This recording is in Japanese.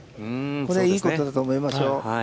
これはいいことだと思いますよ。